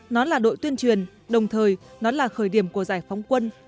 nó là đội tuyên truyền đồng thời nó là khởi điểm của giải phóng quân